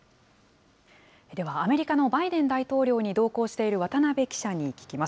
では、アメリカのバイデン大統領に同行している渡辺記者に聞きます。